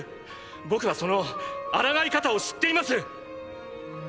僕はその抗い方を知っています！